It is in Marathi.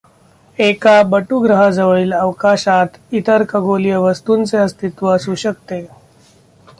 एका बटुग्रहाजवळील अवकाशात इतर खगोलीय वस्तूंचे अस्तित्व असू शकते.